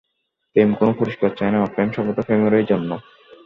প্রেম কোন পুরস্কার চায় না, প্রেম সর্বদা প্রেমেরই জন্য।